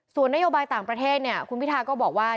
ส่วนนโยบายต่างประเทศเนี่ยคุณพิทาก็บอกว่า